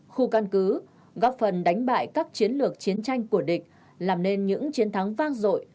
khu căn cứ góp phần đánh bại các chiến lược chiến tranh của địch làm nên những chiến thắng vang dội